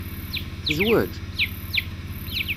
Tezweǧ?